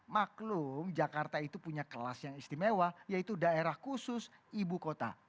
maklum jakarta itu punya kelas yang istimewa yaitu daerah khusus ibu kota